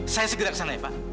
saya segera kesana ya pak